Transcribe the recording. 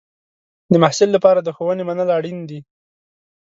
د محصل لپاره د ښوونې منل اړین دی.